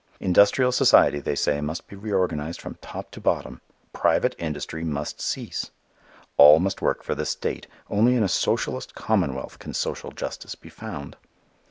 Industrial society, they say, must be reorganized from top to bottom; private industry must cease. All must work for the state; only in a socialist commonwealth can social justice be found.